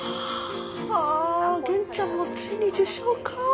はあ元ちゃんもついに受賞かあ。